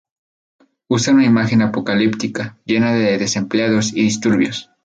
Usa una imagen apocalíptica, llena de desempleados y disturbios.